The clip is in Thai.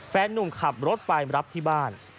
นุ่มขับรถไปรับที่บ้าน